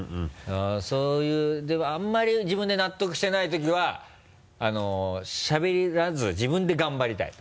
そういうでもあんまり自分で納得してない時はしゃべらず自分で頑張りたいと。